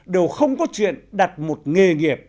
đều không có chuyện đặt một nghề nghiệp